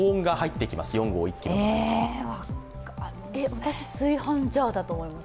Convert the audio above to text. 私、炊飯ジャーだと思います。